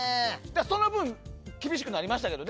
その分厳しくなりましたけどね。